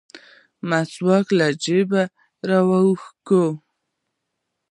مسواک يې له جيبه راوکيښ.